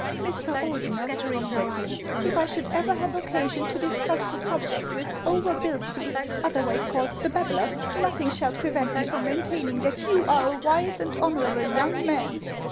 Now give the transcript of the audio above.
" Mr. Ordener," said he, " if I should ever have occasion to discuss the subject with Over Bilseuth, otherwise called 'the Babbler,' nothing shall prevent me from maintaining that you are a wise and honorable young man.